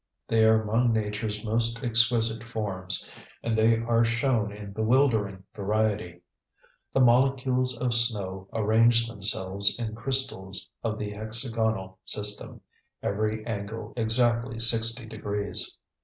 They are among Nature's most exquisite forms, and they are shown in bewildering variety. The molecules of snow arrange themselves in crystals of the hexagonal system, every angle exactly sixty degrees.